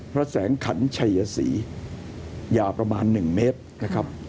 พระแสงขัญชัยศรียาประมาณ๑เมตร